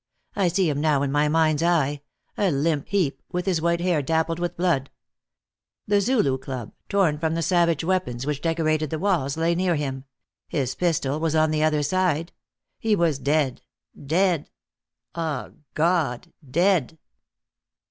"I see him now in my mind's eye a limp heap, with his white hair dappled with blood. The Zulu club, torn from the savage weapons which decorated the walls, lay near him; his pistol was on the other side. He was dead dead! Ah God, dead!"